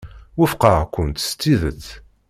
Wufqeɣ-kent s tidet.